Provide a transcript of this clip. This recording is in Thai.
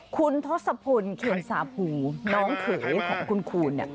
คุณทศพลเคนสาภูน้องเขยของคุณคูณ